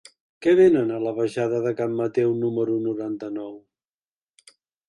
Què venen a la baixada de Can Mateu número noranta-nou?